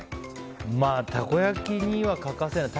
まあ、たこ焼きには欠かせない。